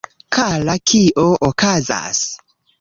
Kara, kio okazas?